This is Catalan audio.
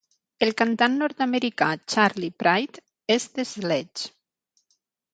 El cantant nord-americà Charley Pride és de Sledge.